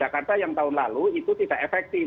jakarta yang tahun lalu itu tidak efektif